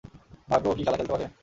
ভাগ্য ও কি খেলা খেলতে পারে।